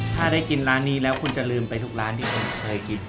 ถ้าได้กินร้านนี้แล้วคุณจะลืมไปทุกร้านที่คุณเคยกิน